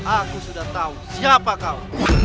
aku sudah tahu siapa kau